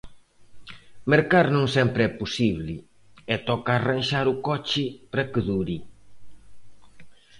Mercar non sempre é posible, e toca arranxar o coche para que dure.